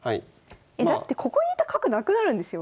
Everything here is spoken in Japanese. えだってここにいた角なくなるんですよ？